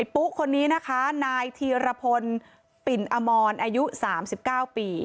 ปุ๊คนนี้นะคะนายธีรพลปิ่นอมรอายุ๓๙ปี